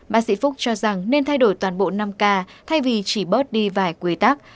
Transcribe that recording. bác sĩ phúc cho rằng nên thay đổi toàn bộ năm k thay vì chỉ bớt đi vài quy tắc